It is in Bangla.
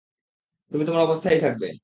তুমি তোমার অবস্থায়ই থাকবে।